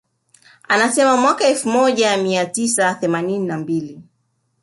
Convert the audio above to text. Anasema mwaka elfu moja mia tisa themanini na mbili